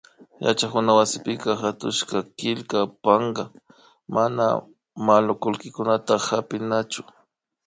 Yachakuna wasipa hatushka killka pankaka mana manukullita hapinachu